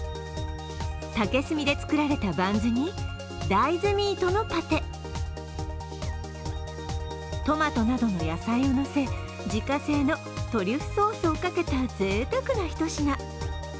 竹炭で作られたバンズに大豆ミートのパテ、トマトなどの野菜をのせ自家製のトリュフソースをかけたぜいたくな一品。